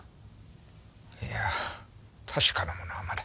いや確かなものはまだ。